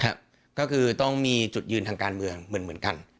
ก็คือต้องมีจุดยืนทางการเมืองเหมือนกัน